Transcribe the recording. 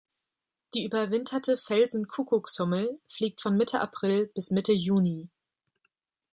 Die überwinterte Felsen-Kuckuckshummel fliegt von Mitte April bis Mitte Juni.